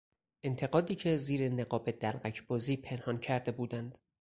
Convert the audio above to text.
انتقادی که زیر نقاب دلقکبازی پنهان کرده بودند